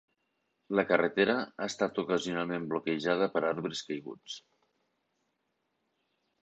La carretera ha estat ocasionalment bloquejada per arbres caiguts.